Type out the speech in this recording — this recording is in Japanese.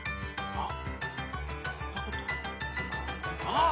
あっ！